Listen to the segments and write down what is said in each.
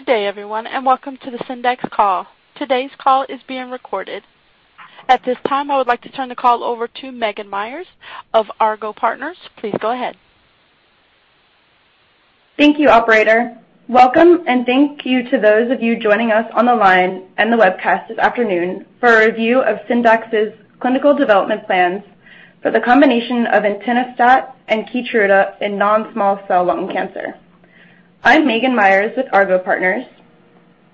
Good day everyone, welcome to the Syndax call. Today's call is being recorded. At this time, I would like to turn the call over to Megan Myers of Argo Partners. Please go ahead. Thank you, operator. Welcome, thank you to those of you joining us on the line and the webcast this afternoon for a review of Syndax's clinical development plans for the combination of entinostat and KEYTRUDA in non-small cell lung cancer. I'm Megan Myers with Argo Partners,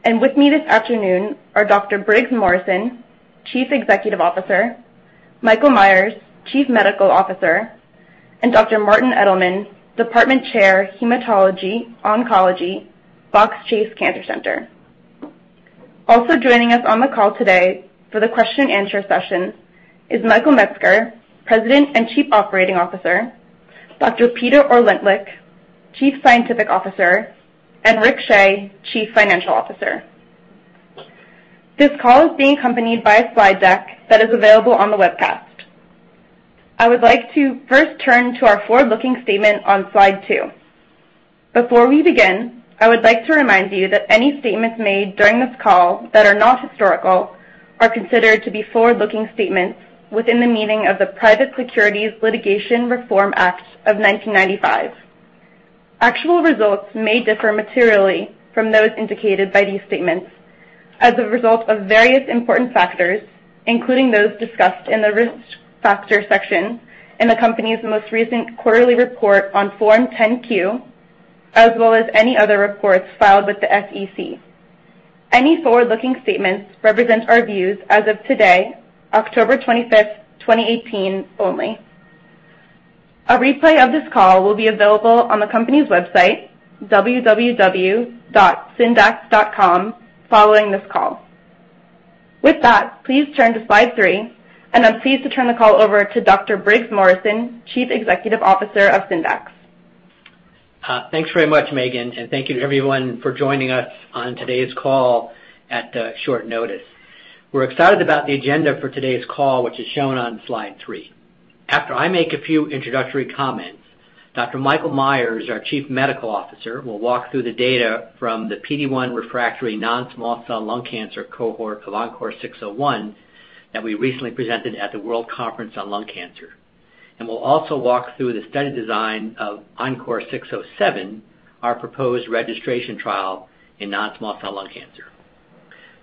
with me this afternoon are Dr. Briggs Morrison, Chief Executive Officer, Michael Meyers, Chief Medical Officer, and Dr. Martin Edelman, Chair, Department of Hematology, Oncology, Fox Chase Cancer Center. Also joining us on the call today for the question answer session is Michael Metzger, President and Chief Operating Officer, Dr. Peter Ordentlich, Chief Scientific Officer, and Rick Shea, Chief Financial Officer. This call is being accompanied by a slide deck that is available on the webcast. I would like to first turn to our forward-looking statement on slide two. Before we begin, I would like to remind you that any statements made during this call that are not historical are considered to be forward-looking statements within the meaning of the Private Securities Litigation Reform Act of 1995. Actual results may differ materially from those indicated by these statements as a result of various important factors, including those discussed in the risk factor section in the company's most recent quarterly report on Form 10-Q, as well as any other reports filed with the SEC. Any forward-looking statements represent our views as of today, October 25th, 2018, only. A replay of this call will be available on the company's website, www.syndax.com, following this call. With that, please turn to slide three, I'm pleased to turn the call over to Dr. Briggs Morrison, Chief Executive Officer of Syndax. Thanks very much, Megan, thank you to everyone for joining us on today's call at the short notice. We're excited about the agenda for today's call, which is shown on slide three. After I make a few introductory comments, Dr. Michael Meyers, our Chief Medical Officer, will walk through the data from the PD-1 refractory non-small cell lung cancer cohort of ENCORE 601 that we recently presented at the World Conference on Lung Cancer and will also walk through the study design of ENCORE 607, our proposed registration trial in non-small cell lung cancer.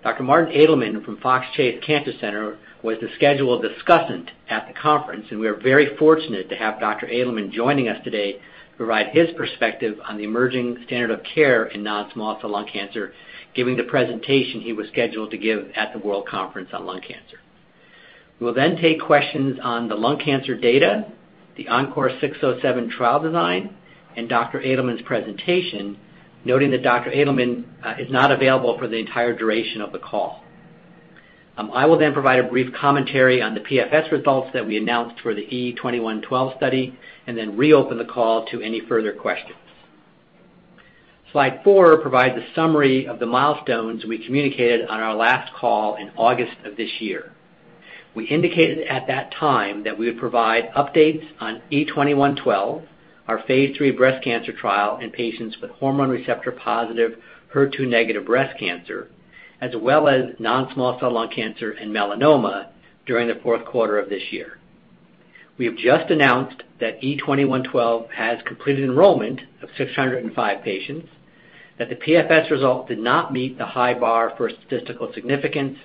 Dr. Martin Edelman from Fox Chase Cancer Center was the scheduled discussant at the conference. We are very fortunate to have Dr. Edelman joining us today to provide his perspective on the emerging standard of care in non-small cell lung cancer, giving the presentation he was scheduled to give at the World Conference on Lung Cancer. We will take questions on the lung cancer data, the ENCORE 607 trial design, and Dr. Edelman's presentation, noting that Dr. Edelman is not available for the entire duration of the call. I will provide a brief commentary on the PFS results that we announced for the E2112 study and reopen the call to any further questions. Slide four provides a summary of the milestones we communicated on our last call in August of this year. We indicated at that time that we would provide updates on E2112, our phase III breast cancer trial in patients with hormone receptor-positive, HER2-negative breast cancer, as well as non-small cell lung cancer and melanoma during the fourth quarter of this year. We have just announced that E2112 has completed enrollment of 605 patients, that the PFS result did not meet the high bar for statistical significance,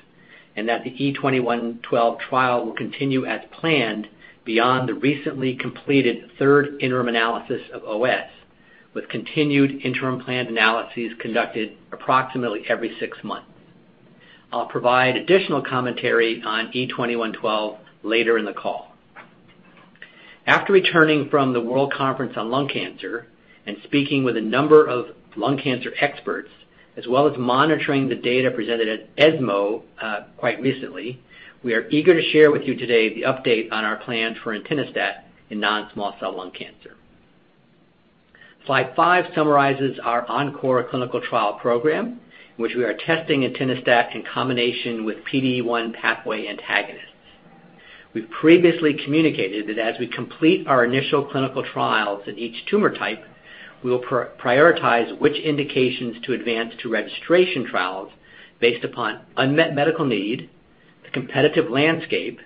and that the E2112 trial will continue as planned beyond the recently completed third interim analysis of OS with continued interim planned analyses conducted approximately every six months. I'll provide additional commentary on E2112 later in the call. After returning from the World Conference on Lung Cancer and speaking with a number of lung cancer experts, as well as monitoring the data presented at ESMO quite recently, we are eager to share with you today the update on our plans for entinostat in non-small cell lung cancer. Slide five summarizes our ENCORE clinical trial program, in which we are testing entinostat in combination with PD-1 pathway antagonists. We've previously communicated that as we complete our initial clinical trials in each tumor type, we will prioritize which indications to advance to registration trials based upon unmet medical need, the competitive landscape,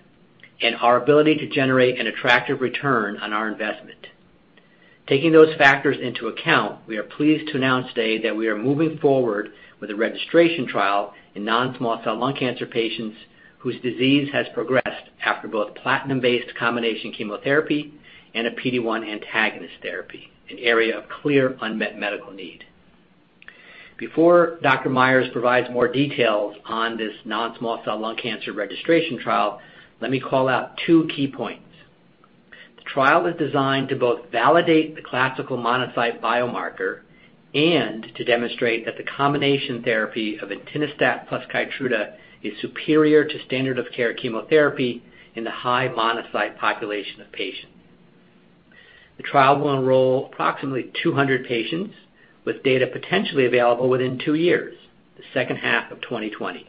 and our ability to generate an attractive return on our investment. Taking those factors into account, we are pleased to announce today that we are moving forward with a registration trial in non-small cell lung cancer patients whose disease has progressed after both platinum-based combination chemotherapy and a PD-1 antagonist therapy, an area of clear unmet medical need. Before Dr. Meyers provides more details on this non-small cell lung cancer registration trial, let me call out two key points. The trial is designed to both validate the classical monocyte biomarker and to demonstrate that the combination therapy of entinostat plus KEYTRUDA is superior to standard of care chemotherapy in the high monocyte population of patients. The trial will enroll approximately 200 patients with data potentially available within two years, the second half of 2020.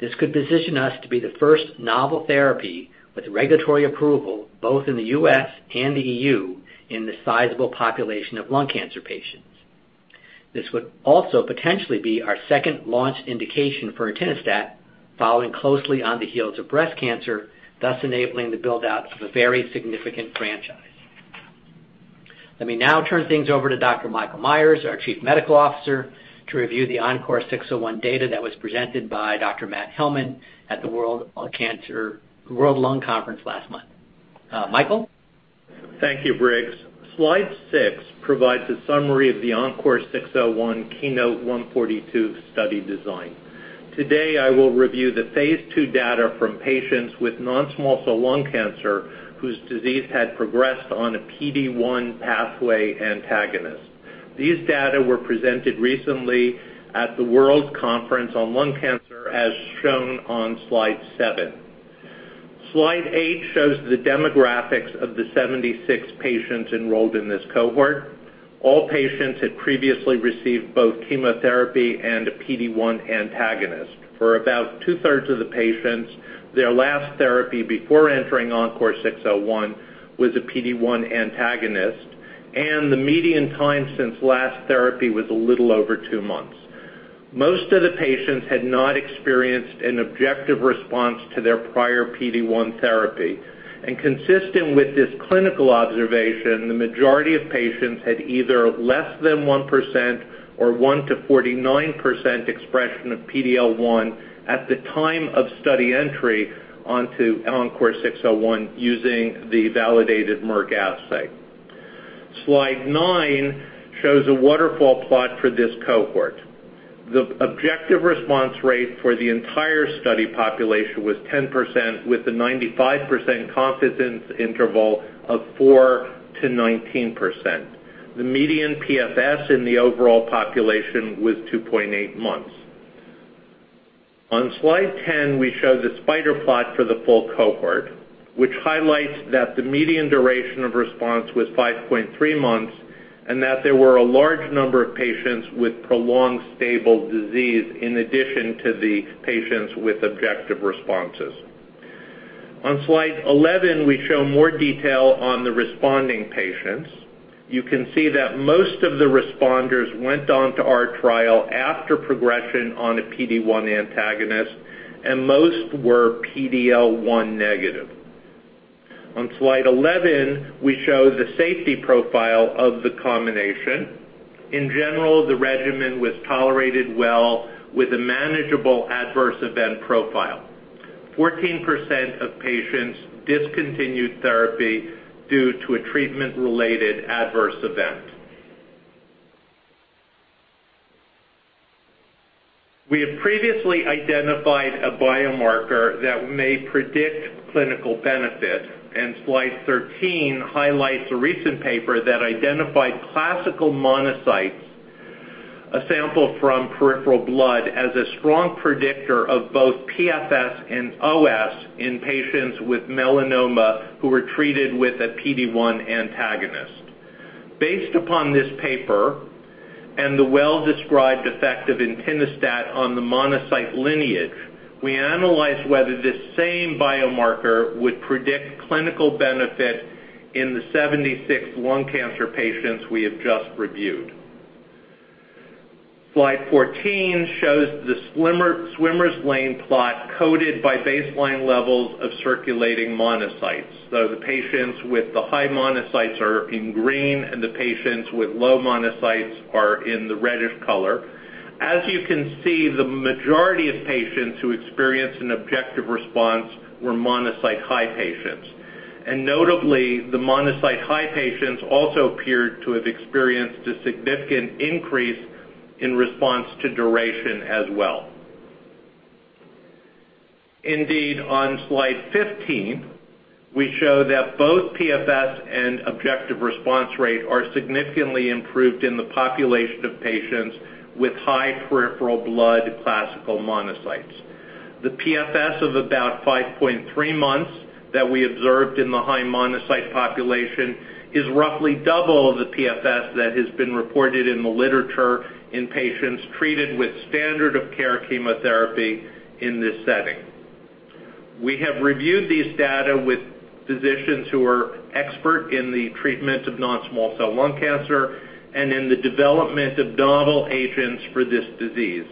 This could position us to be the first novel therapy with regulatory approval both in the U.S. and the EU in the sizable population of lung cancer patients. This would also potentially be our second launch indication for entinostat following closely on the heels of breast cancer, thus enabling the build-out of a very significant franchise. Let me now turn things over to Dr. Michael Schmidt, our Chief Medical Officer, to review the ENCORE 601 data that was presented by Dr. Matt Hellmann at the World Conference on Lung Cancer last month. Michael? Thank you, Briggs. Slide six provides a summary of the ENCORE 601 KEYNOTE-142 study design. Today, I will review the phase II data from patients with non-small cell lung cancer whose disease had progressed on a PD-1 pathway antagonist. These data were presented recently at the World Conference on Lung Cancer, as shown on slide seven. Slide eight shows the demographics of the 76 patients enrolled in this cohort. All patients had previously received both chemotherapy and a PD-1 antagonist. For about two-thirds of the patients, their last therapy before entering ENCORE 601 was a PD-1 antagonist, and the median time since last therapy was a little over two months. Most of the patients had not experienced an objective response to their prior PD-1 therapy. Consistent with this clinical observation, the majority of patients had either less than 1% or 1%-49% expression of PD-L1 at the time of study entry onto ENCORE 601 using the validated Merck assay. Slide nine shows a waterfall plot for this cohort. The objective response rate for the entire study population was 10%, with a 95% confidence interval of 4%-19%. The median PFS in the overall population was 2.8 months. On slide 10, we show the spider plot for the full cohort, which highlights that the median duration of response was 5.3 months and that there were a large number of patients with prolonged stable disease in addition to the patients with objective responses. On slide 11, we show more detail on the responding patients. You can see that most of the responders went on to our trial after progression on a PD-1 antagonist, and most were PD-L1 negative. On slide 11, we show the safety profile of the combination. In general, the regimen was tolerated well with a manageable adverse event profile. 14% of patients discontinued therapy due to a treatment-related adverse event. We have previously identified a biomarker that may predict clinical benefit. Slide 13 highlights a recent paper that identified classical monocytes, a sample from peripheral blood, as a strong predictor of both PFS and OS in patients with melanoma who were treated with a PD-1 antagonist. Based upon this paper and the well-described effect of entinostat on the monocyte lineage, we analyzed whether this same biomarker would predict clinical benefit in the 76 lung cancer patients we have just reviewed. Slide 14 shows the swimmer's lane plot coded by baseline levels of circulating monocytes. The patients with the high monocytes are in green, and the patients with low monocytes are in the reddish color. As you can see, the majority of patients who experienced an objective response were monocyte-high patients. Notably, the monocyte-high patients also appeared to have experienced a significant increase in response to duration as well. Indeed, on slide 15, we show that both PFS and objective response rate are significantly improved in the population of patients with high peripheral blood classical monocytes. The PFS of about 5.3 months that we observed in the high monocyte population is roughly double the PFS that has been reported in the literature in patients treated with standard of care chemotherapy in this setting. We have reviewed these data with physicians who are expert in the treatment of non-small cell lung cancer and in the development of novel agents for this disease.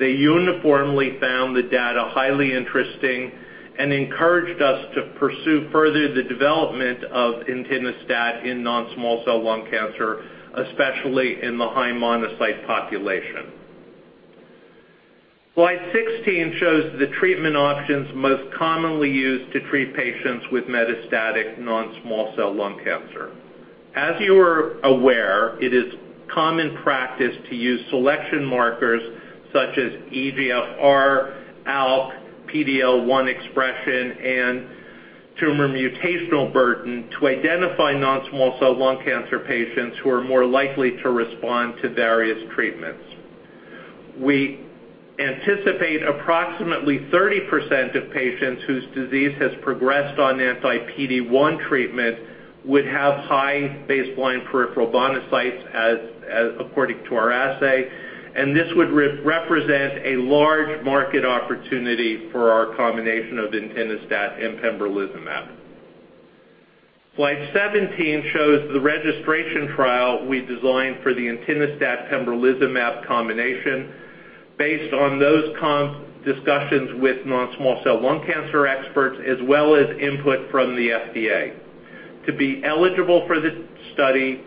They uniformly found the data highly interesting and encouraged us to pursue further the development of entinostat in non-small cell lung cancer, especially in the high monocyte population. Slide 16 shows the treatment options most commonly used to treat patients with metastatic non-small cell lung cancer. As you are aware, it is common practice to use selection markers such as EGFR, ALK, PD-L1 expression, and tumor mutational burden to identify non-small cell lung cancer patients who are more likely to respond to various treatments. We anticipate approximately 30% of patients whose disease has progressed on anti-PD-1 treatment would have high baseline peripheral monocytes according to our assay, and this would represent a large market opportunity for our combination of entinostat and pembrolizumab. Slide 17 shows the registration trial we designed for the entinostat pembrolizumab combination based on those discussions with non-small cell lung cancer experts, as well as input from the FDA. To be eligible for this study,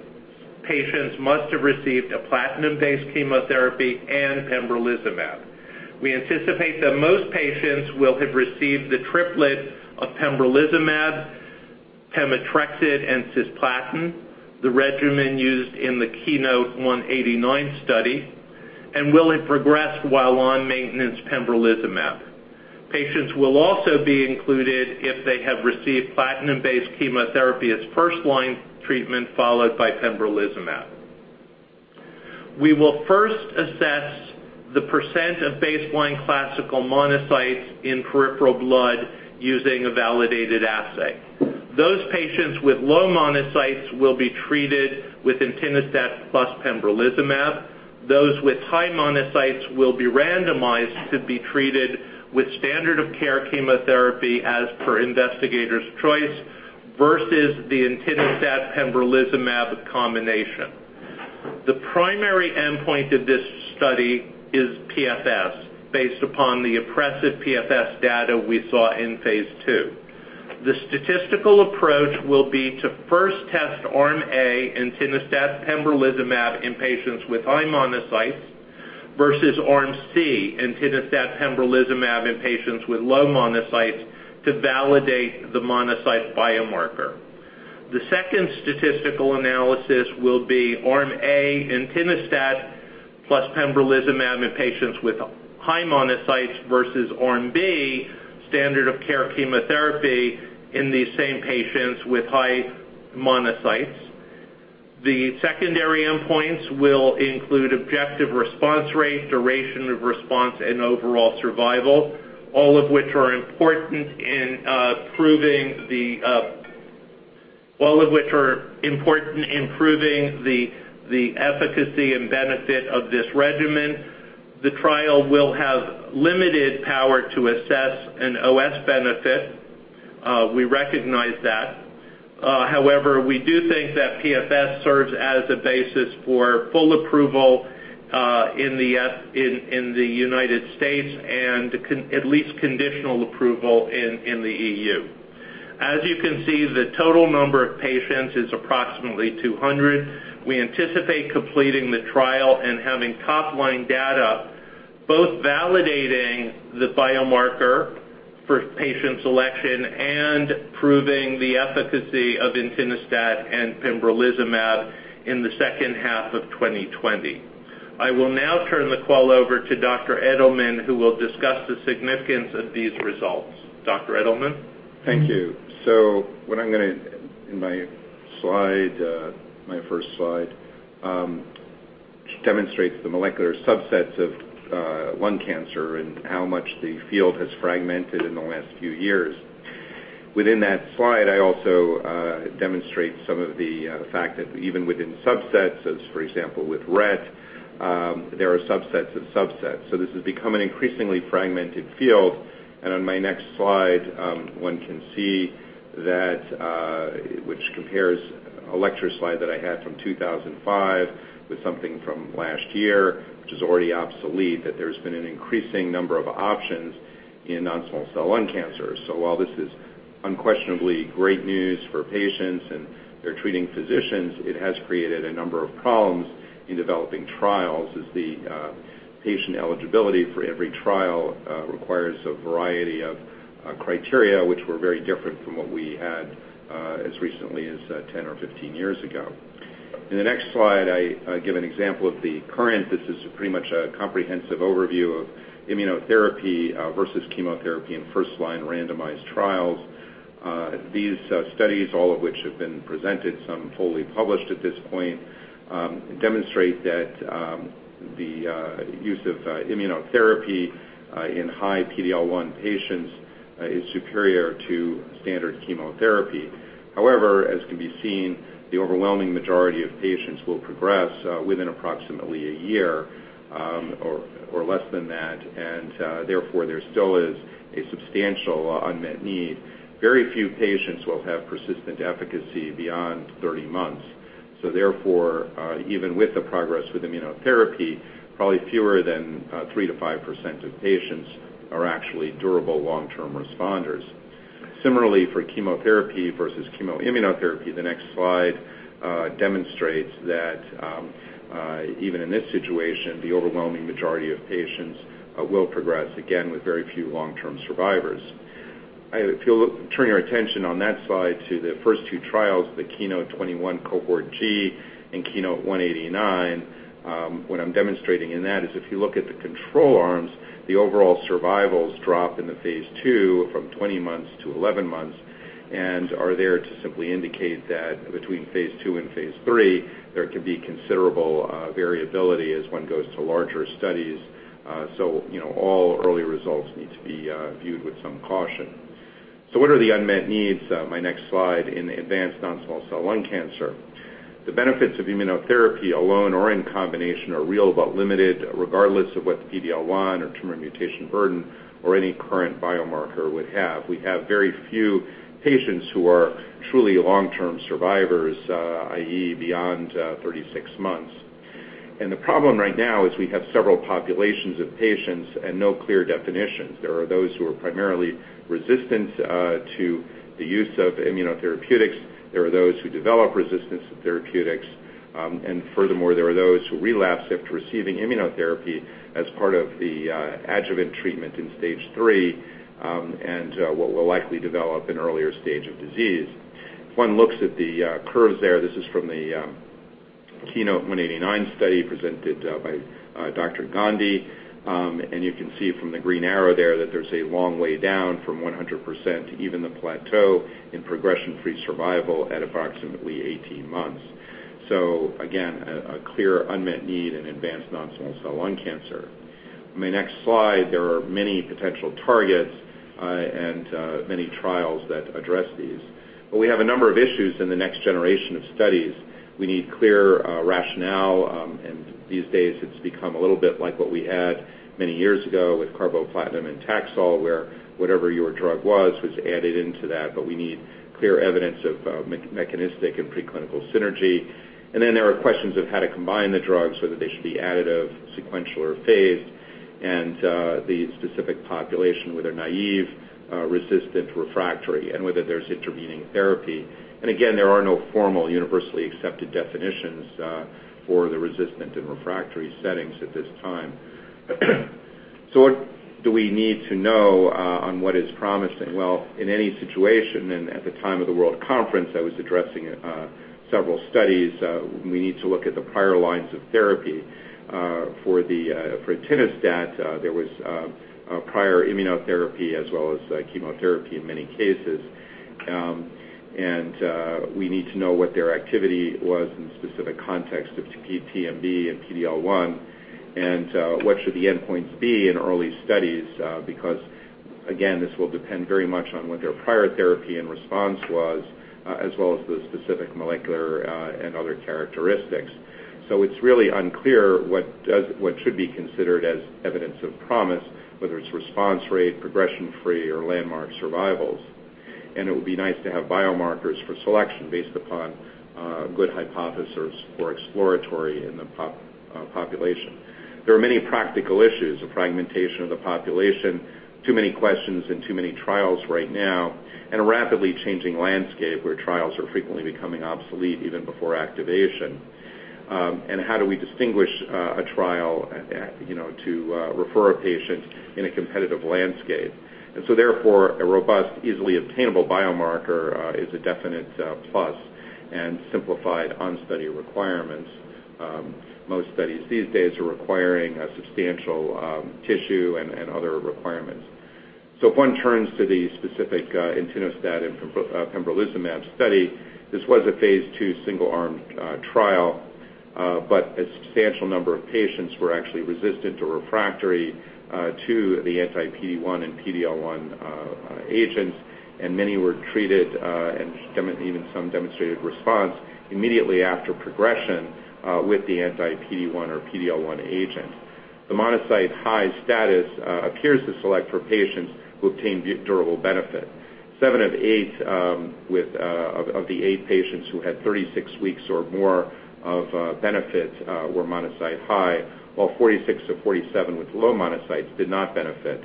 patients must have received a platinum-based chemotherapy and pembrolizumab. We anticipate that most patients will have received the triplet of pembrolizumab, pemetrexed, and cisplatin, the regimen used in the KEYNOTE-189 study, and will have progressed while on maintenance pembrolizumab. Patients will also be included if they have received platinum-based chemotherapy as first-line treatment, followed by pembrolizumab. We will first assess the percent of baseline classical monocytes in peripheral blood using a validated assay. Those patients with low monocytes will be treated with entinostat plus pembrolizumab. Those with high monocytes will be randomized to be treated with standard of care chemotherapy as per investigator's choice versus the entinostat pembrolizumab combination. The primary endpoint of this study is PFS based upon the impressive PFS data we saw in phase II. The statistical approach will be to first test arm A entinostat pembrolizumab in patients with high monocytes versus arm C entinostat pembrolizumab in patients with low monocytes to validate the monocyte biomarker. The second statistical analysis will be arm A entinostat plus pembrolizumab in patients with high monocytes versus arm B, standard of care chemotherapy in these same patients with high monocytes. The secondary endpoints will include objective response rate, duration of response, and overall survival, all of which are important in proving the efficacy and benefit of this regimen. The trial will have limited power to assess an OS benefit. We recognize that. However, we do think that PFS serves as a basis for full approval in the United States and at least conditional approval in the EU. As you can see, the total number of patients is approximately 200. We anticipate completing the trial and having top-line data both validating the biomarker for patient selection and proving the efficacy of entinostat and pembrolizumab in the second half of 2020. I will now turn the call over to Dr. Edelman, who will discuss the significance of these results. Dr. Edelman? Thank you. In my first slide, demonstrates the molecular subsets of lung cancer and how much the field has fragmented in the last few years. Within that slide, I also demonstrate some of the fact that even within subsets, as for example with RET, there are subsets of subsets. This has become an increasingly fragmented field. On my next slide, one can see that which compares a lecture slide that I had from 2005 with something from last year, which is already obsolete, that there's been an increasing number of options in non-small cell lung cancer. While this is unquestionably great news for patients and their treating physicians, it has created a number of problems in developing trials as the patient eligibility for every trial requires a variety of criteria which were very different from what we had as recently as 10 or 15 years ago. In the next slide, I give an example of the current. This is pretty much a comprehensive overview of immunotherapy versus chemotherapy in first-line randomized trials. These studies, all of which have been presented, some fully published at this point, demonstrate that the use of immunotherapy in high PD-L1 patients is superior to standard chemotherapy. However, as can be seen, the overwhelming majority of patients will progress within approximately a year or less than that, and therefore there still is a substantial unmet need. Very few patients will have persistent efficacy beyond 30 months. Therefore, even with the progress with immunotherapy, probably fewer than 3%-5% of patients are actually durable long-term responders. Similarly, for chemotherapy versus chemoimmunotherapy, the next slide demonstrates that even in this situation, the overwhelming majority of patients will progress, again, with very few long-term survivors. If you'll turn your attention on that slide to the first two trials, the KEYNOTE-021 cohort G and KEYNOTE-189, what I'm demonstrating in that is if you look at the control arms, the overall survivals drop into phase II from 20 months to 11 months and are there to simply indicate that between phase II and phase III, there can be considerable variability as one goes to larger studies. All early results need to be viewed with some caution. What are the unmet needs, my next slide, in advanced non-small cell lung cancer. The benefits of immunotherapy alone or in combination are real but limited, regardless of what the PD-L1 or tumor mutation burden or any current biomarker would have. We have very few patients who are truly long-term survivors, i.e., beyond 36 months. The problem right now is we have several populations of patients and no clear definitions. There are those who are primarily resistant to the use of immunotherapeutics. There are those who develop resistance to therapeutics. Furthermore, there are those who relapse after receiving immunotherapy as part of the adjuvant treatment in stage 3, and what will likely develop in earlier stage of disease. If one looks at the curves there, this is from the KEYNOTE-189 study presented by Dr. Gandhi. You can see from the green arrow there that there's a long way down from 100% to even the plateau in progression-free survival at approximately 18 months. Again, a clear unmet need in advanced non-small cell lung cancer. On my next slide, there are many potential targets and many trials that address these. We have a number of issues in the next generation of studies. We need clear rationale, and these days it's become a little bit like what we had many years ago with carboplatin and Taxol, where whatever your drug was added into that. We need clear evidence of mechanistic and preclinical synergy. There are questions of how to combine the drugs, whether they should be additive, sequential, or phased, and the specific population, whether naive, resistant, refractory, and whether there's intervening therapy. Again, there are no formal universally accepted definitions for the resistant and refractory settings at this time. What do we need to know on what is promising? Well, in any situation, and at the time of the World Conference, I was addressing several studies. We need to look at the prior lines of therapy. For entinostat, there was prior immunotherapy as well as chemotherapy in many cases. We need to know what their activity was in specific context of TMB and PD-L1. What should the endpoints be in early studies? Because, again, this will depend very much on what their prior therapy and response was as well as the specific molecular and other characteristics. It's really unclear what should be considered as evidence of promise, whether it's response rate, progression-free, or landmark survivals. It would be nice to have biomarkers for selection based upon good hypothesis or exploratory in the population. There are many practical issues of fragmentation of the population, too many questions and too many trials right now, and a rapidly changing landscape where trials are frequently becoming obsolete even before activation. How do we distinguish a trial to refer a patient in a competitive landscape? Therefore, a robust, easily obtainable biomarker is a definite plus and simplified on-study requirements. Most studies these days are requiring substantial tissue and other requirements. If one turns to the specific entinostat and pembrolizumab study, this was a phase II single-arm trial, but a substantial number of patients were actually resistant or refractory to the anti-PD-1 and PD-L1 agents, and many were treated, and even some demonstrated response immediately after progression with the anti-PD-1 or PD-L1 agent. The monocyte high status appears to select for patients who obtain durable benefit. Seven of the eight patients who had 36 weeks or more of benefit were monocyte high, while 46 of 47 with low monocytes did not benefit.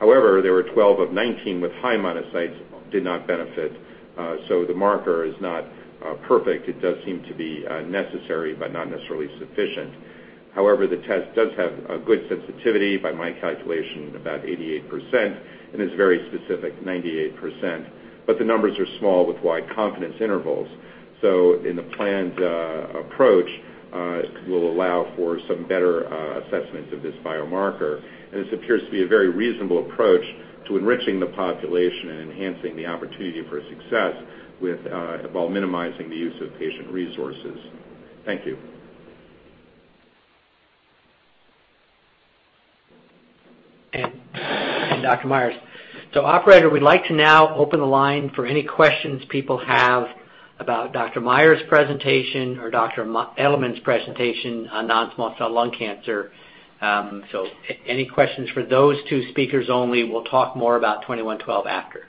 There were 12 of 19 with high monocytes did not benefit. The marker is not perfect. It does seem to be necessary but not necessarily sufficient. The test does have a good sensitivity, by my calculation, about 88%, and is very specific, 98%. The numbers are small with wide confidence intervals. In the planned approach, it will allow for some better assessments of this biomarker. This appears to be a very reasonable approach to enriching the population and enhancing the opportunity for success while minimizing the use of patient resources. Thank you. Dr. Meyers. Operator, we'd like to now open the line for any questions people have about Dr. Meyers' presentation or Dr. Edelman's presentation on non-small cell lung cancer. Any questions for those two speakers only. We'll talk more about 2112 after.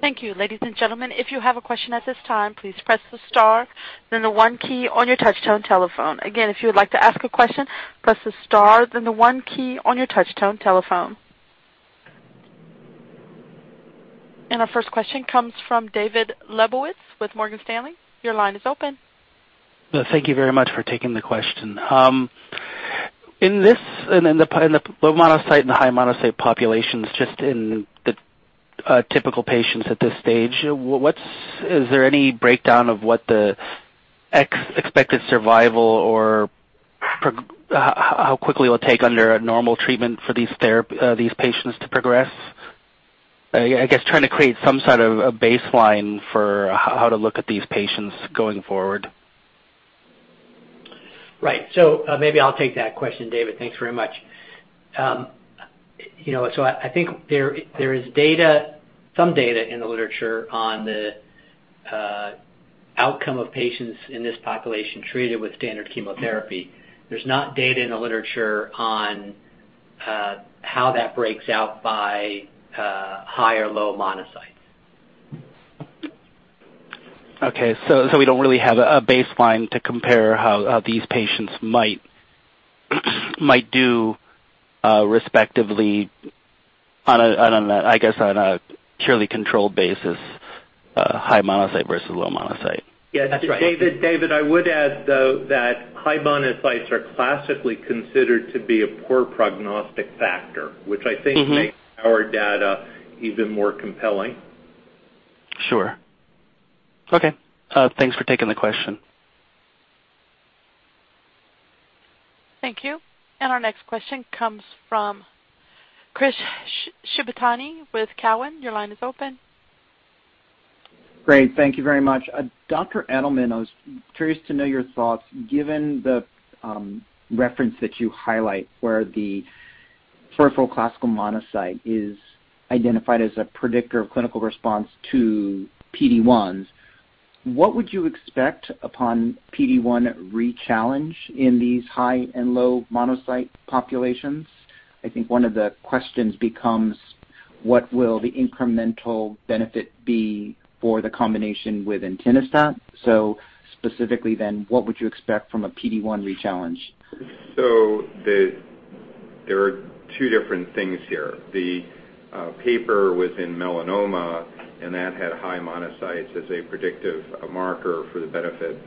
Thank you. Ladies and gentlemen, if you have a question at this time, please press the star then the one key on your touch tone telephone. Again, if you would like to ask a question, press the star then the one key on your touch tone telephone. Our first question comes from David Lebowitz with Morgan Stanley. Your line is open. Thank you very much for taking the question. In the low monocyte and the high monocyte populations, just in the typical patients at this stage, is there any breakdown of what the expected survival or how quickly it will take under a normal treatment for these patients to progress? I guess trying to create some sort of a baseline for how to look at these patients going forward. Right. Maybe I'll take that question, David. Thanks very much. I think there is some data in the literature on the outcome of patients in this population treated with standard chemotherapy. There's not data in the literature on how that breaks out by high or low monocytes. Okay. We don't really have a baseline to compare how these patients might do respectively on a purely controlled basis, high monocyte versus low monocyte. That's right. Yes. David, I would add, though, that high monocytes are classically considered to be a poor prognostic factor. makes our data even more compelling. Sure. Okay. Thanks for taking the question. Thank you. Our next question comes from Chris Shibutani with Cowen. Your line is open. Great. Thank you very much. Dr. Edelman, I was curious to know your thoughts, given the reference that you highlight, where the peripheral classical monocyte is identified as a predictor of clinical response to PD-1s. What would you expect upon PD-1 rechallenge in these high and low monocyte populations? I think one of the questions becomes what will the incremental benefit be for the combination with entinostat? Specifically then, what would you expect from a PD-1 rechallenge? There are two different things here. The paper was in melanoma, and that had high monocytes as a predictive marker for the benefit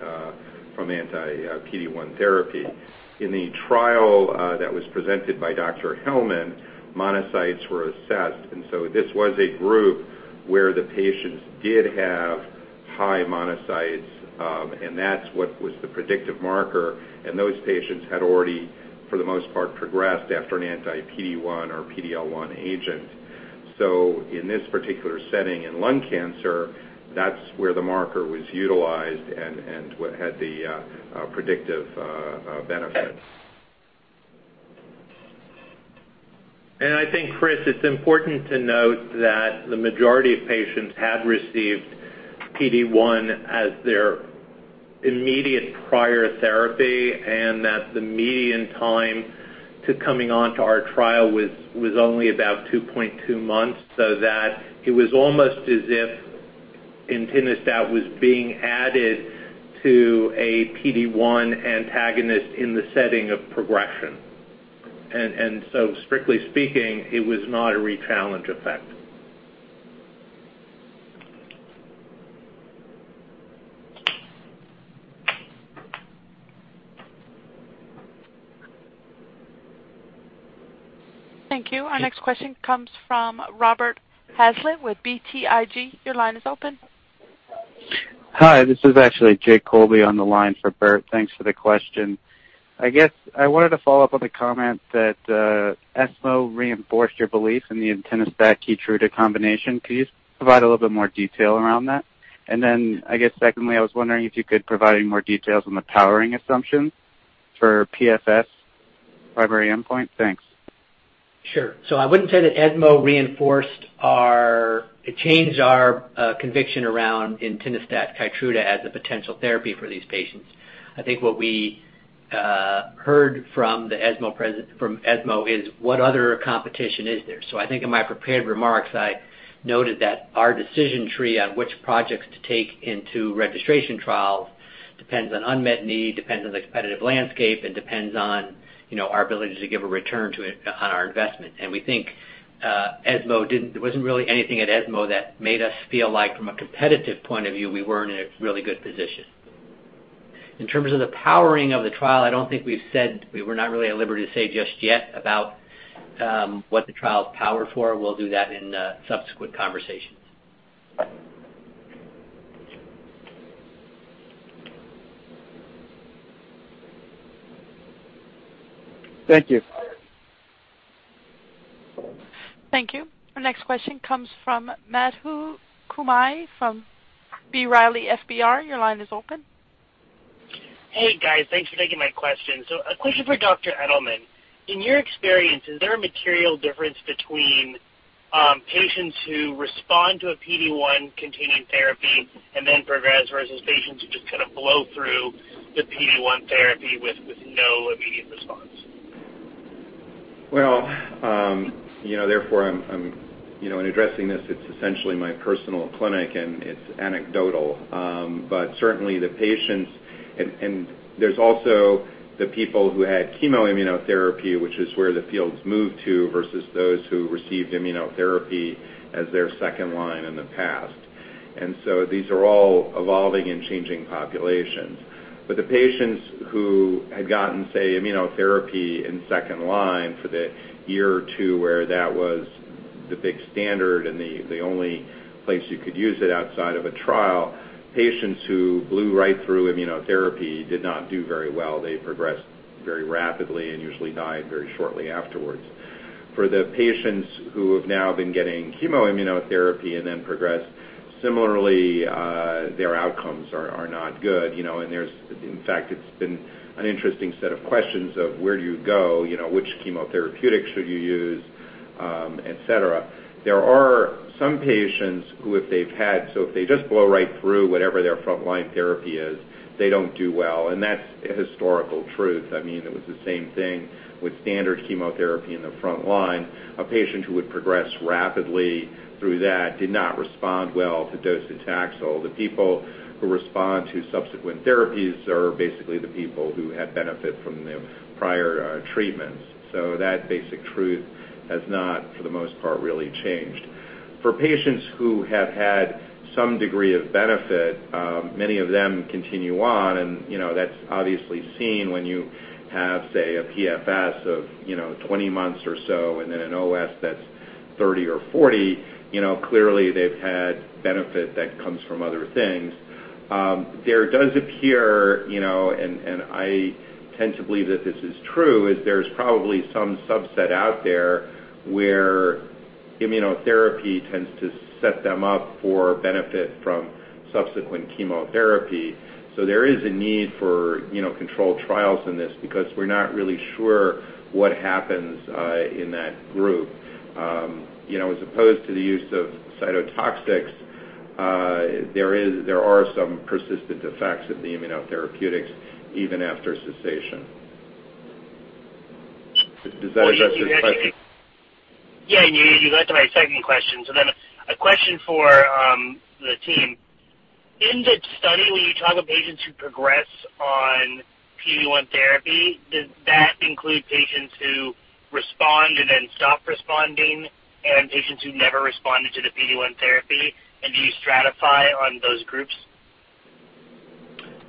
from anti-PD-1 therapy. In the trial that was presented by Dr. Hellmann, monocytes were assessed, and this was a group where the patients did have high monocytes, and that's what was the predictive marker, and those patients had already, for the most part, progressed after an anti-PD-1 or PD-L1 agent. In this particular setting in lung cancer, that's where the marker was utilized and what had the predictive benefit. I think, Chris, it's important to note that the majority of patients had received PD-1 as their immediate prior therapy, and that the median time to coming on to our trial was only about 2.2 months, so that it was almost as if entinostat was being added to a PD-1 antagonist in the setting of progression. Strictly speaking, it was not a rechallenge effect. Thank you. Our next question comes from Robert Hazlett with BTIG. Your line is open. Hi, this is actually Jake Colby on the line for Bert. Thanks for the question. I wanted to follow up on the comment that ESMO reinforced your belief in the entinostat-KEYTRUDA combination. Could you provide a little bit more detail around that? Secondly, I was wondering if you could provide any more details on the powering assumptions for PFS primary endpoint. Thanks. Sure. I wouldn't say that ESMO reinforced or it changed our conviction around entinostat-KEYTRUDA as a potential therapy for these patients. I think what we heard from ESMO is what other competition is there. I think in my prepared remarks, I noted that our decision tree on which projects to take into registration trials depends on unmet need, depends on the competitive landscape, and depends on our ability to give a return on our investment. We think there wasn't really anything at ESMO that made us feel like, from a competitive point of view, we weren't in a really good position. In terms of the powering of the trial, I don't think we were not really at liberty to say just yet about what the trial is powered for. We'll do that in subsequent conversations. Thank you. Thank you. Our next question comes from Madhu Kumar from B. Riley FBR. Your line is open. Hey, guys. Thanks for taking my question. A question for Dr. Edelman. In your experience, is there a material difference between patients who respond to a PD-1-containing therapy and then progress, versus patients who just kind of blow through the PD-1 therapy with no immediate response? Well, in addressing this, it's essentially my personal clinic and it's anecdotal. Certainly the patients, there's also the people who had chemoimmunotherapy, which is where the field's moved to, versus those who received immunotherapy as their second line in the past. These are all evolving and changing populations. The patients who had gotten, say, immunotherapy in second line for the year or two where that was the big standard and the only place you could use it outside of a trial, patients who blew right through immunotherapy did not do very well. They progressed very rapidly and usually died very shortly afterwards. For the patients who have now been getting chemoimmunotherapy and then progress similarly, their outcomes are not good. In fact, it's been an interesting set of questions of where do you go, which chemotherapeutic should you use, et cetera. There are some patients who, if they just blow right through whatever their frontline therapy is, they don't do well, and that's a historical truth. It was the same thing with standard chemotherapy in the front line. A patient who would progress rapidly through that did not respond well to docetaxel. The people who respond to subsequent therapies are basically the people who had benefit from the prior treatments. That basic truth has not, for the most part, really changed. For patients who have had some degree of benefit, many of them continue on, and that's obviously seen when you have, say, a PFS of 20 months or so and then an OS that's 30 or 40. Clearly, they've had benefit that comes from other things. There does appear, I tend to believe that this is true, is there's probably some subset out there where immunotherapy tends to set them up for benefit from subsequent chemotherapy. There is a need for controlled trials in this because we're not really sure what happens in that group. As opposed to the use of cytotoxics, there are some persistent effects of the immunotherapeutics even after cessation. Does that address your question? Yeah, you got to my second question. A question for the team. In the study, when you talk of patients who progress on PD-1 therapy, does that include patients who respond and then stop responding and patients who never responded to the PD-1 therapy? Do you stratify on those groups?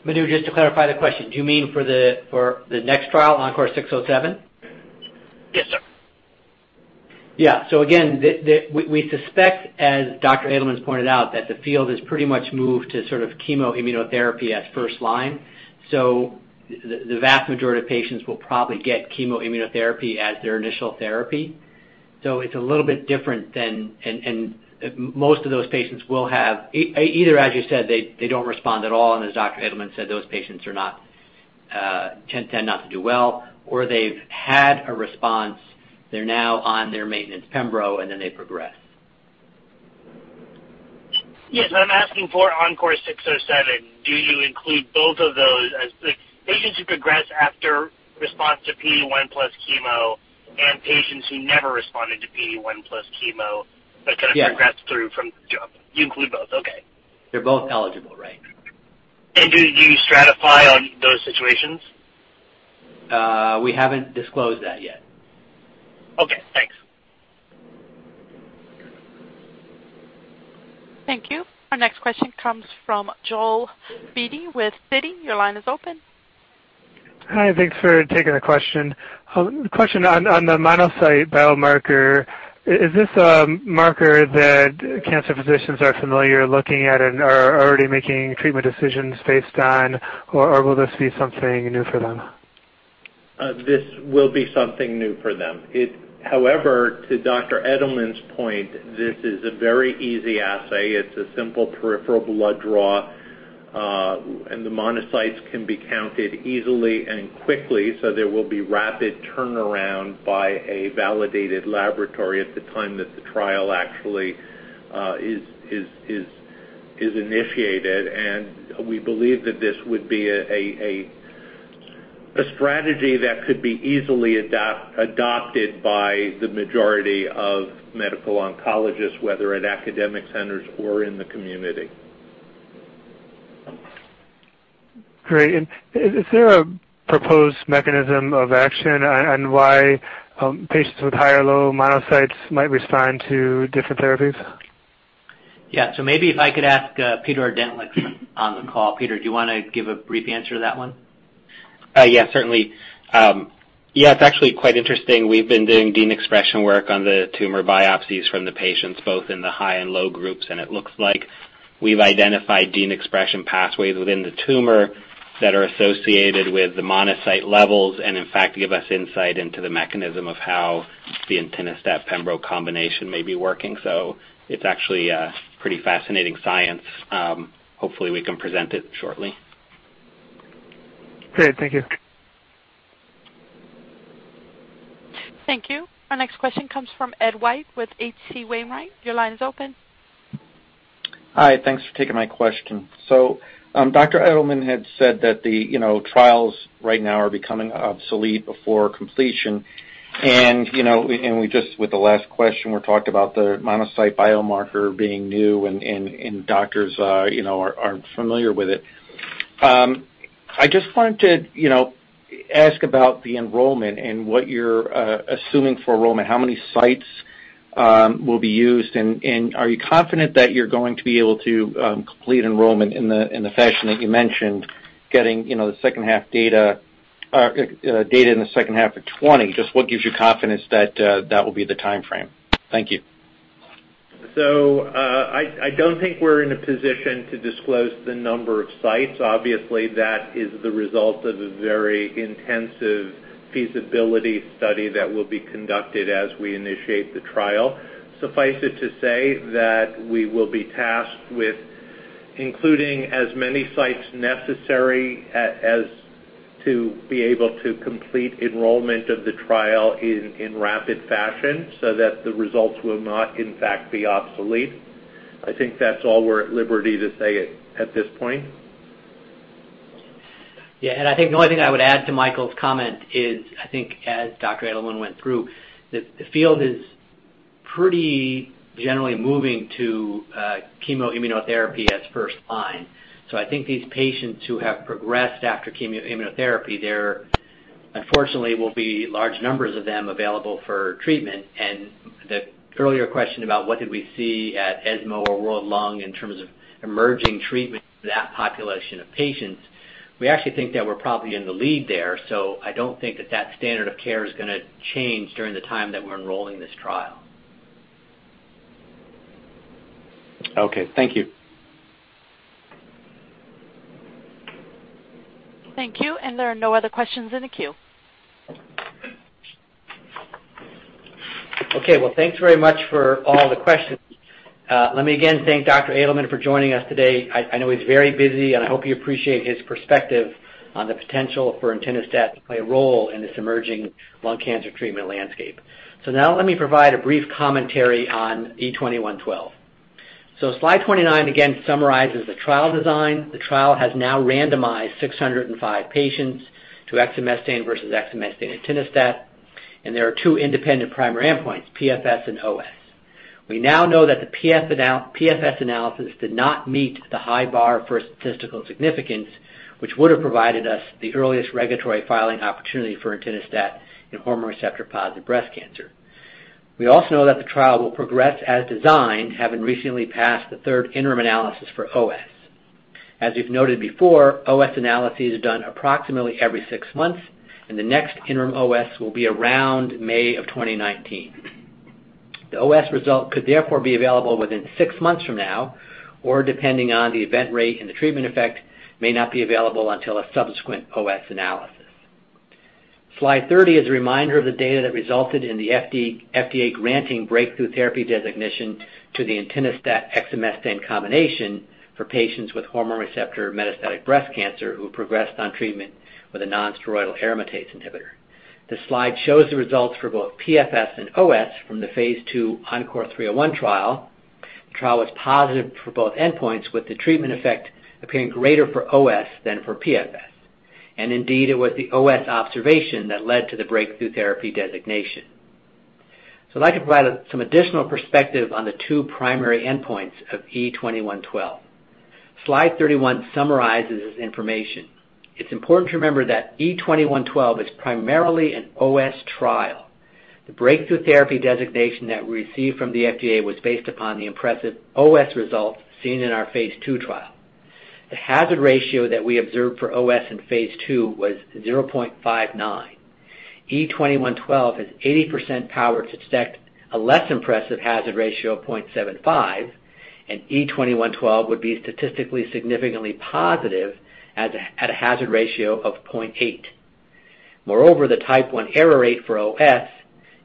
Madhu, just to clarify the question, do you mean for the next trial, ENCORE 607? Yes, sir. Again, we suspect, as Dr. Edelman's pointed out, that the field has pretty much moved to chemoimmunotherapy as first line. The vast majority of patients will probably get chemoimmunotherapy as their initial therapy. It's a little bit different than. Most of those patients will have either, as you said, they don't respond at all, and as Dr. Edelman said, those patients tend not to do well, or they've had a response. They're now on their maintenance pembro, and then they progress. Yes. I'm asking for ENCORE 607. Do you include both of those as the patients who progress after response to PD-1 plus chemo and patients who never responded to PD-1 plus chemo but. Yeah You include both? Okay. They're both eligible, right. Do you stratify on those situations? We haven't disclosed that yet. Okay, thanks. Thank you. Our next question comes from Joel Beatty with Citi. Your line is open. Hi, thanks for taking the question. Question on the monocyte biomarker. Is this a marker that cancer physicians are familiar looking at and are already making treatment decisions based on, or will this be something new for them? This will be something new for them. However, to Dr. Edelman's point, this is a very easy assay. It's a simple peripheral blood draw, and the monocytes can be counted easily and quickly, so there will be rapid turnaround by a validated laboratory at the time that the trial actually is initiated. We believe that this would be a strategy that could be easily adopted by the majority of medical oncologists, whether at academic centers or in the community. Great. Is there a proposed mechanism of action on why patients with high or low monocytes might respond to different therapies? Yeah. Maybe if I could ask Peter Ordentlich on the call. Peter, do you want to give a brief answer to that one? Yeah, certainly. Yeah, it's actually quite interesting. We've been doing gene expression work on the tumor biopsies from the patients, both in the high and low groups, and it looks like we've identified gene expression pathways within the tumor that are associated with the monocyte levels and, in fact, give us insight into the mechanism of how the entinostat pembro combination may be working. It's actually pretty fascinating science. Hopefully, we can present it shortly. Great. Thank you. Thank you. Our next question comes from Ed White with H.C. Wainwright. Your line is open. Hi, thanks for taking my question. Dr. Edelman had said that the trials right now are becoming obsolete before completion. Just with the last question, we talked about the monocyte biomarker being new, and doctors aren't familiar with it. I just want to ask about the enrollment and what you're assuming for enrollment. How many sites will be used, and are you confident that you're going to be able to complete enrollment in the fashion that you mentioned, getting data in the second half of 2020? Just what gives you confidence that that will be the timeframe? Thank you. I don't think we're in a position to disclose the number of sites. Obviously, that is the result of a very intensive feasibility study that will be conducted as we initiate the trial. Suffice it to say that we will be tasked with including as many sites necessary as to be able to complete enrollment of the trial in rapid fashion so that the results will not, in fact, be obsolete. I think that's all we're at liberty to say at this point. Yeah. I think the only thing I would add to Michael's comment is, I think, as Dr. Edelman went through, the field is pretty generally moving to chemo immunotherapy as first line. I think these patients who have progressed after chemo immunotherapy, there unfortunately will be large numbers of them available for treatment. The earlier question about what did we see at ESMO or World Lung in terms of emerging treatment for that population of patients, we actually think that we're probably in the lead there. I don't think that that standard of care is going to change during the time that we're enrolling this trial. Okay. Thank you. Thank you. There are no other questions in the queue. Okay. Well, thanks very much for all the questions. Let me again thank Dr. Edelman for joining us today. I know he's very busy, and I hope you appreciate his perspective on the potential for entinostat to play a role in this emerging lung cancer treatment landscape. Now let me provide a brief commentary on E-2112. Slide 29 again summarizes the trial design. The trial has now randomized 605 patients to exemestane versus exemestane and entinostat, and there are two independent primary endpoints, PFS and OS. We now know that the PFS analysis did not meet the high bar for statistical significance, which would have provided us the earliest regulatory filing opportunity for entinostat in hormone receptor-positive breast cancer. We also know that the trial will progress as designed, having recently passed the third interim analysis for OS. As we've noted before, OS analysis is done approximately every six months, and the next interim OS will be around May of 2019. The OS result could therefore be available within six months from now, or depending on the event rate and the treatment effect, may not be available until a subsequent OS analysis. Slide 30 is a reminder of the data that resulted in the FDA granting Breakthrough Therapy designation to the entinostat/exemestane combination for patients with hormone receptor-metastatic breast cancer who progressed on treatment with a nonsteroidal aromatase inhibitor. This slide shows the results for both PFS and OS from the phase II ENCORE 301 trial. The trial was positive for both endpoints, with the treatment effect appearing greater for OS than for PFS. Indeed, it was the OS observation that led to the Breakthrough Therapy designation. I'd like to provide some additional perspective on the two primary endpoints of E-2112. Slide 31 summarizes this information. It's important to remember that E-2112 is primarily an OS trial. The Breakthrough Therapy designation that we received from the FDA was based upon the impressive OS results seen in our phase II trial. The hazard ratio that we observed for OS in phase II was 0.59. E-2112 has 80% power to detect a less impressive hazard ratio of 0.75, and E-2112 would be statistically significantly positive at a hazard ratio of 0.8. The type 1 error rate for OS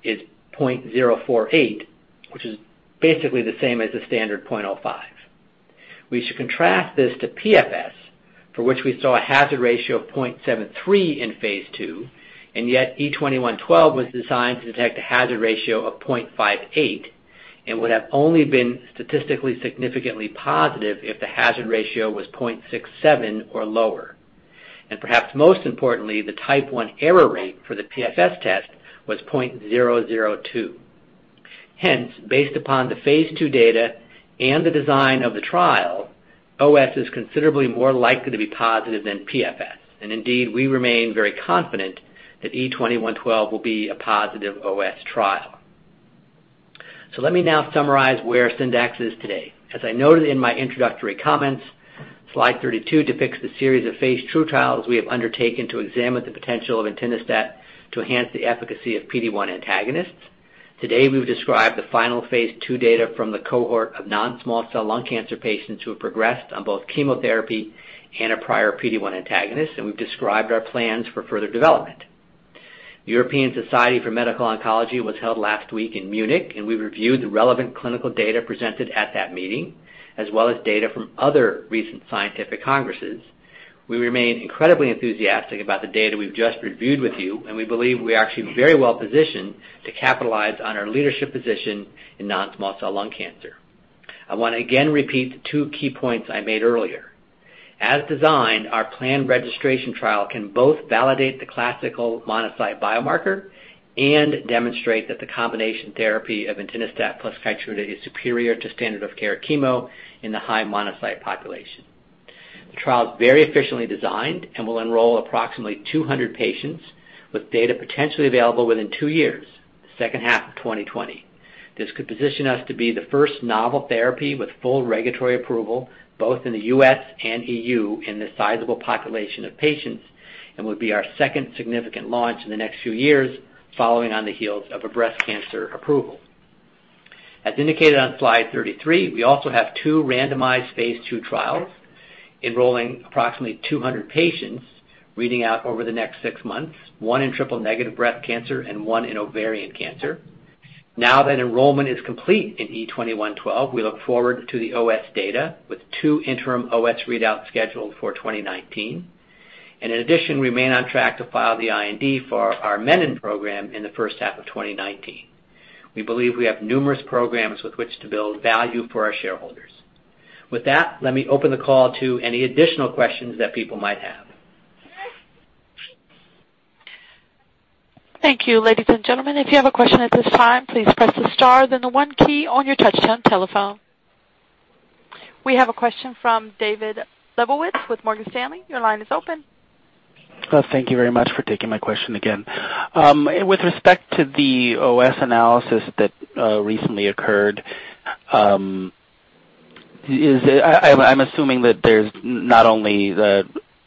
is 0.048, which is basically the same as the standard 0.05. We should contrast this to PFS, for which we saw a hazard ratio of 0.73 in phase II, yet E-2112 was designed to detect a hazard ratio of 0.58 and would have only been statistically significantly positive if the hazard ratio was 0.67 or lower. Perhaps most importantly, the type 1 error rate for the PFS test was 0.002. Based upon the phase II data and the design of the trial, OS is considerably more likely to be positive than PFS. Indeed, we remain very confident that E-2112 will be a positive OS trial. Let me now summarize where Syndax is today. As I noted in my introductory comments, slide 32 depicts the series of phase II trials we have undertaken to examine the potential of entinostat to enhance the efficacy of PD-1 antagonists. Today, we've described the final phase II data from the cohort of non-small cell lung cancer patients who have progressed on both chemotherapy and a prior PD-1 antagonist, we've described our plans for further development. The European Society for Medical Oncology was held last week in Munich, we've reviewed the relevant clinical data presented at that meeting, as well as data from other recent scientific congresses. We remain incredibly enthusiastic about the data we've just reviewed with you, we believe we are actually very well positioned to capitalize on our leadership position in non-small cell lung cancer. I want to again repeat the two key points I made earlier. As designed, our planned registration trial can both validate the classical monocyte biomarker and demonstrate that the combination therapy of entinostat plus KEYTRUDA is superior to standard of care chemo in the high monocyte population. The trial is very efficiently designed and will enroll approximately 200 patients with data potentially available within two years, the second half of 2020. This could position us to be the first novel therapy with full regulatory approval both in the U.S. and E.U. in this sizable population of patients and would be our second significant launch in the next few years following on the heels of a breast cancer approval. As indicated on slide 33, we also have two randomized phase II trials enrolling approximately 200 patients, reading out over the next six months, one in triple negative breast cancer and one in ovarian cancer. Now that enrollment is complete in E-2112, we look forward to the OS data with two interim OS readouts scheduled for 2019. In addition, we remain on track to file the IND for our Menin program in the first half of 2019. We believe we have numerous programs with which to build value for our shareholders. With that, let me open the call to any additional questions that people might have. Thank you. Ladies and gentlemen, if you have a question at this time, please press the star, then the one key on your touch-tone telephone. We have a question from David Lebowitz with Morgan Stanley. Your line is open. Thank you very much for taking my question again. With respect to the OS analysis that recently occurred, I'm assuming that there's not only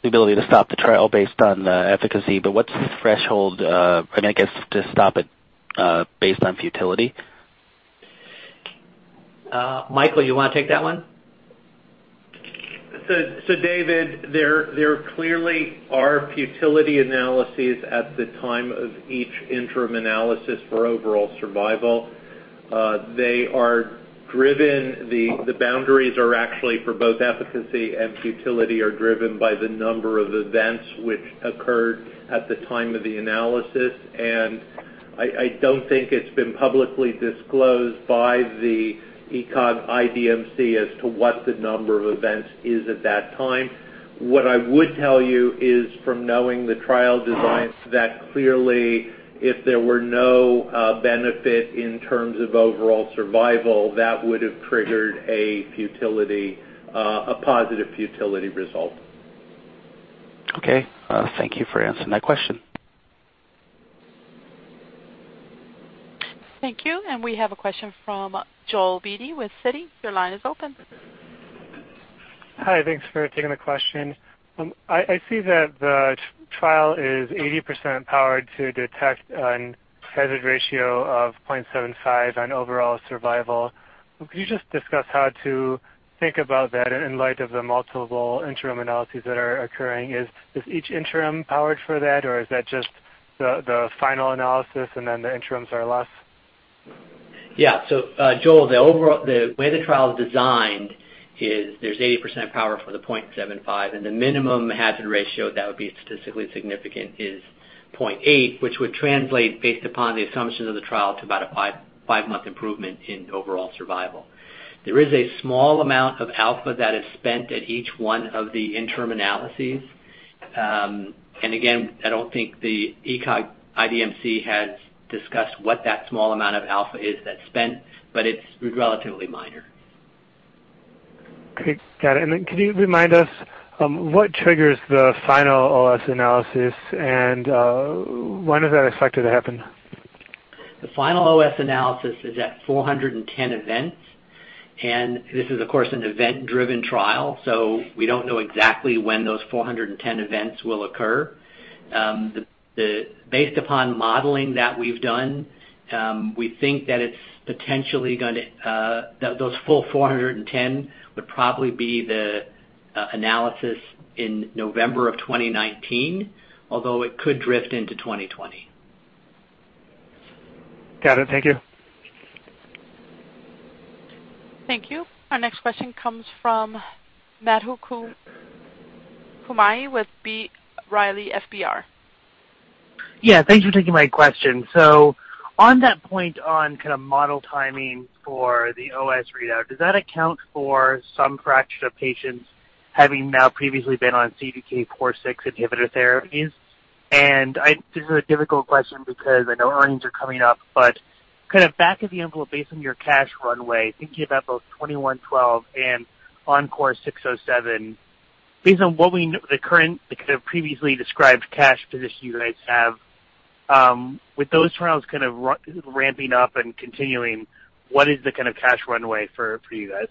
the ability to stop the trial based on efficacy, but what's the threshold, I guess, to stop it based on futility? Michael, you want to take that one? David, there clearly are futility analyses at the time of each interim analysis for overall survival. The boundaries are actually for both efficacy and futility are driven by the number of events which occurred at the time of the analysis, and I don't think it's been publicly disclosed by the ECOG-ACRIN DSMC as to what the number of events is at that time. What I would tell you is from knowing the trial designs, that clearly if there were no benefit in terms of overall survival, that would have triggered a positive futility result. Okay. Thank you for answering that question. Thank you. We have a question from Joel Beatty with Citi. Your line is open. Hi. Thanks for taking the question. I see that the trial is 80% powered to detect a hazard ratio of 0.75 on overall survival. Could you just discuss how to think about that in light of the multiple interim analyses that are occurring? Is each interim powered for that or is that just the final analysis and then the interims are less? Joel, the way the trial is designed is there's 80% power for the 0.75 and the minimum hazard ratio that would be statistically significant is 0.8, which would translate based upon the assumptions of the trial to about a five-month improvement in overall survival. There is a small amount of alpha that is spent at each one of the interim analyses. Again, I don't think the ECOG-ACRIN DSMC has discussed what that small amount of alpha is that's spent, but it's relatively minor. Great. Got it. Could you remind us what triggers the final OS analysis and when is that expected to happen? The final OS analysis is at 410 events, this is of course an event-driven trial, we don't know exactly when those 410 events will occur. Based upon modeling that we've done, we think that those full 410 would probably be the analysis in November of 2019, although it could drift into 2020. Got it. Thank you. Thank you. Our next question comes from Madhu Kumar with B. Riley FBR. Yeah, thanks for taking my question. On that point on kind of model timing for the OS readout, does that account for some fraction of patients having now previously been on CDK 4/6 inhibitor therapies? This is a difficult question because I know earnings are coming up, but kind of back of the envelope based on your cash runway, thinking about both 2112 and ENCORE 607, based on the kind of previously described cash position you guys have, with those trials kind of ramping up and continuing, what is the kind of cash runway for you guys?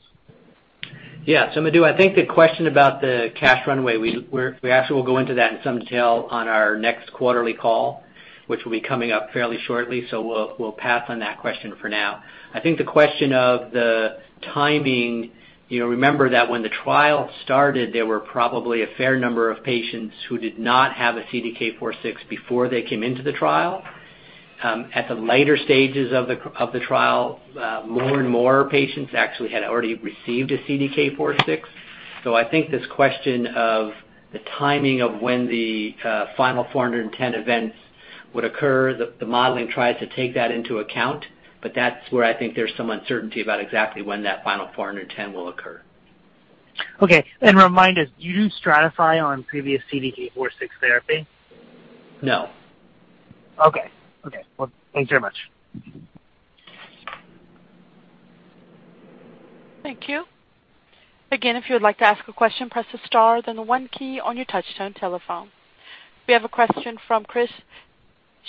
Yeah. Madhu, I think the question about the cash runway, we actually will go into that in some detail on our next quarterly call, which will be coming up fairly shortly. We'll pass on that question for now. I think the question of the timing, remember that when the trial started, there were probably a fair number of patients who did not have a CDK 4/6 before they came into the trial. At the later stages of the trial, more and more patients actually had already received a CDK 4/6. I think this question of the timing of when the final 410 events would occur, the modeling tries to take that into account, but that's where I think there's some uncertainty about exactly when that final 410 will occur. Okay. Remind us, do you stratify on previous CDK 4/6 therapy? No. Okay. Well, thanks very much. Thank you. If you would like to ask a question, press the star, then the one key on your touch-tone telephone. We have a question from Chris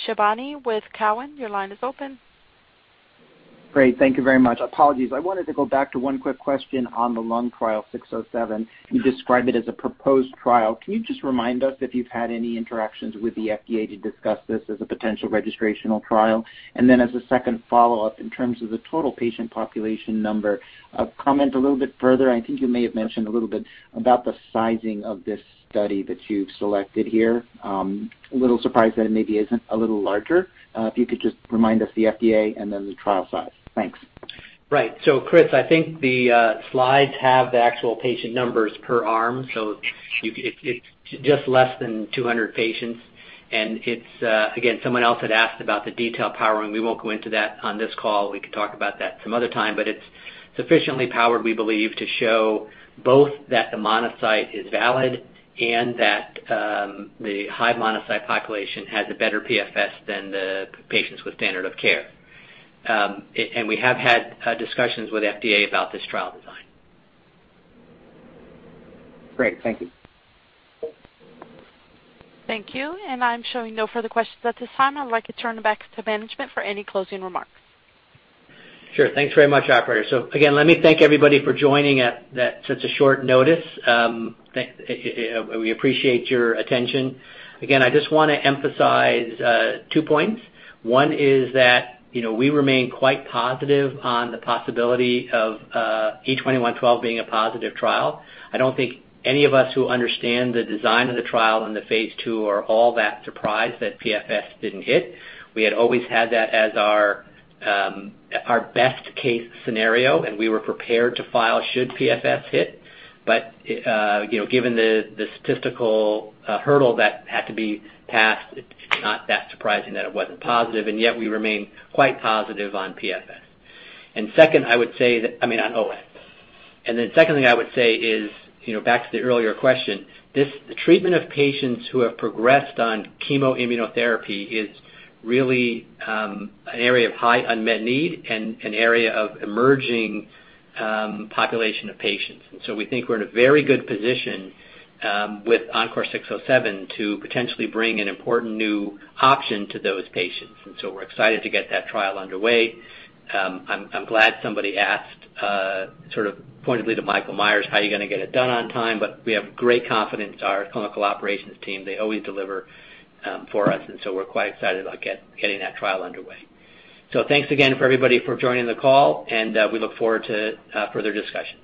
Shibutani with Cowen. Your line is open. Great. Thank you very much. Apologies. I wanted to go back to one quick question on the lung trial, 607. You describe it as a proposed trial. Can you just remind us if you've had any interactions with the FDA to discuss this as a potential registrational trial? As a second follow-up, in terms of the total patient population number, comment a little bit further, I think you may have mentioned a little bit about the sizing of this study that you've selected here. A little surprised that it maybe isn't a little larger. If you could just remind us the FDA and then the trial size. Thanks. Right. Chris, I think the slides have the actual patient numbers per arm, so it's just less than 200 patients. Again, someone else had asked about the detail powering. We won't go into that on this call. We can talk about that some other time, but it's sufficiently powered, we believe, to show both that the monocyte is valid and that the high monocyte population has a better PFS than the patients with standard of care. We have had discussions with FDA about this trial design. Great. Thank you. Thank you. I'm showing no further questions at this time. I'd like to turn it back to management for any closing remarks. Sure. Thanks very much, operator. Again, let me thank everybody for joining at such a short notice. We appreciate your attention. Again, I just want to emphasize two points. One is that we remain quite positive on the possibility of E2112 being a positive trial. I don't think any of us who understand the design of the trial in the phase II are all that surprised that PFS didn't hit. We had always had that as our best-case scenario, and we were prepared to file should PFS hit. Given the statistical hurdle that had to be passed, it's not that surprising that it wasn't positive, and yet we remain quite positive on PFS. I mean, on OS. Secondly, I would say is, back to the earlier question, the treatment of patients who have progressed on chemo immunotherapy is really an area of high unmet need and an area of emerging population of patients. We think we're in a very good position with ENCORE 607 to potentially bring an important new option to those patients. We're excited to get that trial underway. I'm glad somebody asked pointedly to Michael Schmidt, how are you gonna get it done on time? We have great confidence in our clinical operations team. They always deliver for us, we're quite excited about getting that trial underway. Thanks again for everybody for joining the call, and we look forward to further discussions.